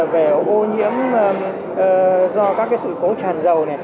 về ô nhiễm do các sự cố tràn dầu